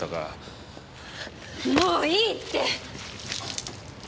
もういいって！！